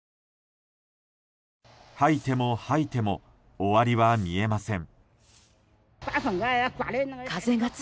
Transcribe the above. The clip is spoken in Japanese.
掃いても掃いても終わりは見えません。